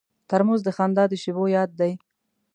ترموز د خندا د شیبو یاد دی.